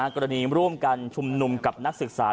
กรณีร่วมกันชุมนุมกับนักศึกษา